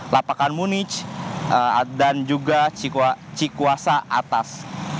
lapakan munich dan juga cikuasa atas